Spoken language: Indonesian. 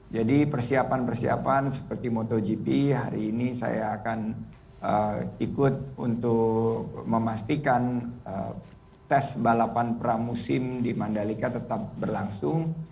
jadi persiapan persiapan seperti motogp hari ini saya akan ikut untuk memastikan tes balapan pramusim di mandalika tetap berlangsung